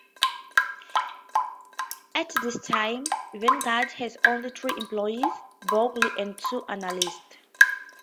At this time, Vanguard had only three employees: Bogle and two analysts.